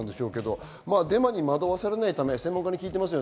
デマに惑わされないため専門家に聞いています。